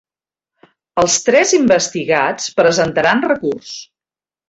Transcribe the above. Els tres investigats presentaran recurs